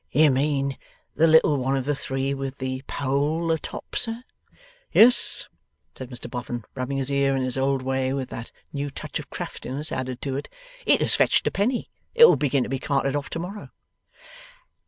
'You mean the little one of the three, with the pole atop, sir.' 'Yes,' said Mr Boffin, rubbing his ear in his old way, with that new touch of craftiness added to it. 'It has fetched a penny. It'll begin to be carted off to morrow.